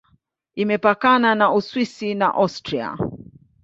Imepakana na Uswisi na Austria.